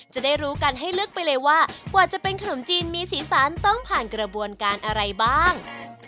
จะได้รู้กันให้ลึกไปเลยว่ากว่าจะเป็นขนมจีนมีสีสันต้องผ่านกระบวนการอะไรบ้าง